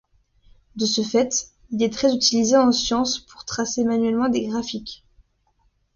De ce fait, il est très utilisé en sciences pour tracer manuellement des graphiques.